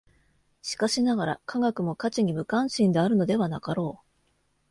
しかしながら、科学も価値に無関心であるのではなかろう。